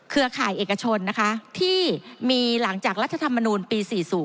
เครือข่ายเอกชนที่มีหลังจากรัฐธรรมนูญปี๔๐